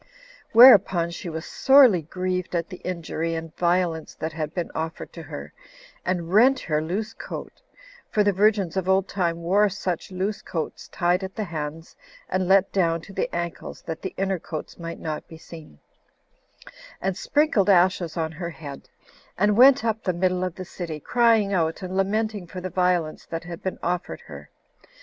Whereupon she was sorely grieved at the injury and violence that had been offered to her, and rent her loose coat, [for the virgins of old time wore such loose coats tied at the hands, and let down to the ankles, that the inner coats might not be seen,] and sprinkled ashes on her head; and went up the middle of the city, crying out and lamenting for the violence that had been offered her.